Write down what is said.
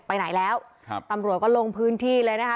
ไปไหนแล้วครับตำรวจก็ลงพื้นที่เลยนะคะ